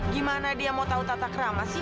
gimana dia mau tahu tata kerama sih